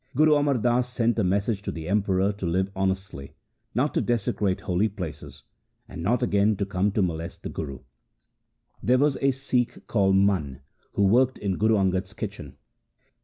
Guru Amar Das sent a message to the Emperor to live honestly, not to desecrate holy places, and not again to come to molest the Guru. There was a Sikh called Mana who worked in Guru Angad' s kitchen.